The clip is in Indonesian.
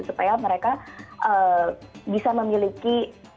supaya mereka bisa memiliki